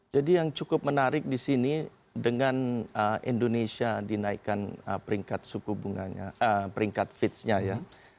jadi yang cukup menarik di sini dengan indonesia dinaikkan peringkat fitch nya ya